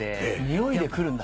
においで来るんだ。